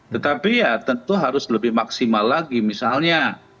tetapi ya tentu harus lebih maksimal lagi misalnya